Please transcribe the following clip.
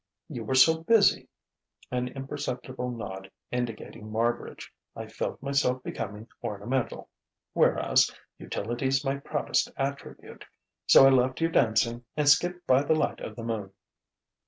"You were so busy" an imperceptible nod indicated Marbridge "I felt myself becoming ornamental. Whereas, utility's my proudest attribute. So I left you dancing, and skipped by the light of the moon."